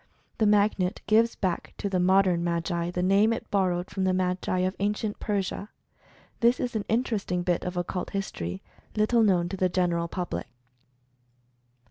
The Magnet gives back to the modern Magi the name it borrowed from the Magi of Ancient Persia. This is an interesting bit of Occult History little known to the general public.